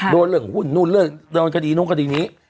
โดนเหลืองหุ่นนู่นโดนคดีนู่นคดีนี้